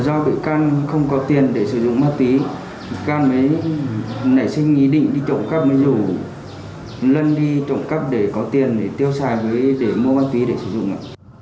do bị can không có tiền để sử dụng ma túy cam mới nảy sinh ý định đi trộm cắp mới rủ lân đi trộm cắp để có tiền để tiêu xài với để mua ma túy để sử dụng ạ